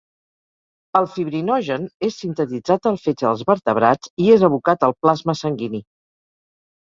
El fibrinogen és sintetitzat al fetge dels vertebrats i és abocat al plasma sanguini.